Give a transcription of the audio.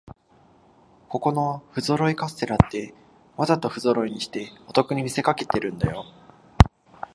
ここのふぞろいカステラって、わざとふぞろいにしてお得に見せかけてるんだよ